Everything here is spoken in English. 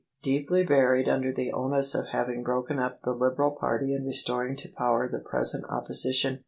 Deeply buried under the onus of having broken up the Liberal party and restoring to power the present Opposition.